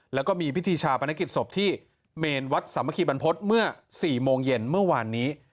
แล้วก็มีพิธีชาปนกิจศพที่เมนวัดสามัคคีบรรพฤษเมื่อ๔โมงเย็นเมื่อวานนี้